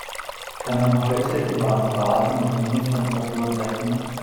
Kann man heute in Baden-Baden mit Minustemperaturen rechnen?